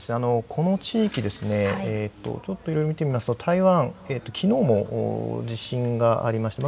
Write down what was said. この地域、いろいろ見てみるときのうも地震がありました。